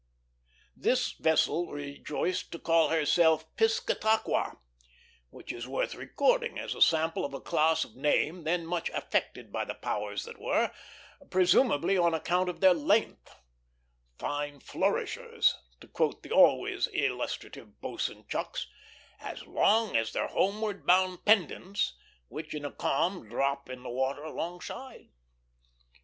This vessel rejoiced to call herself Piscataqua, which is worth recording as a sample of a class of name then much affected by the powers that were, presumably on account of their length; "fine flourishers," to quote the always illustrative Boatswain Chucks, "as long as their homeward bound pendants, which in a calm drop in the water alongside."